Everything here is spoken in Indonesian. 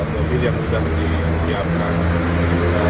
pemir yang mudah disiapkan